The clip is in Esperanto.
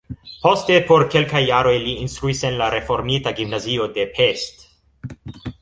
Poste por kelkaj jaroj li instruis en la reformita gimnazio de Pest.